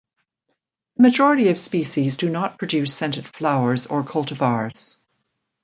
The majority of species do not produce scented flowers or cultivars.